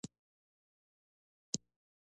د بهرنیو مرستو لویه برخه بهر ته لیږدول کیږي.